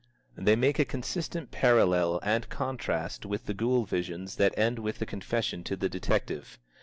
They make a consistent parallel and contrast with the ghoul visions that end with the confession to the detective.